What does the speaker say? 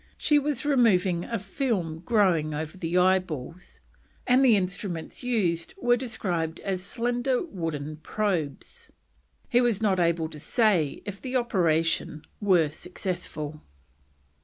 She was removing a film growing over the eyeballs, and the instruments used are described as slender wooden probes. He was not able to say if the operation were successful.